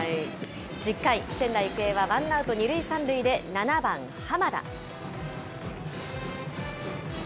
１０回、仙台育英はワンアウト２塁３塁で７番濱田。